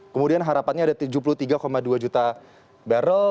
kemudian harapannya ada tujuh puluh tiga dua juta barrel